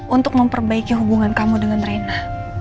untuk memperbaiki hubungan kamu dengan reina